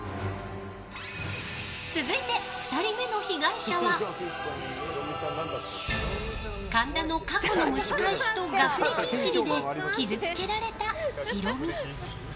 続いて、２人目の被害者は神田の過去の蒸し返しと学歴イジりで傷つけられたヒロミ。